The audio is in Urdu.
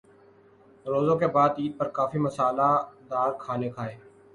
روزوں کے بعد عید پر کافی مصالحہ دار کھانے کھائے۔